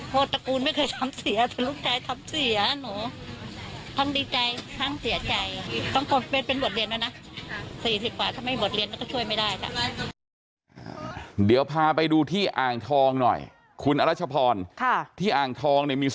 โทษตระกูลไม่เคยทำเสียแต่ลูกชายทำเสีย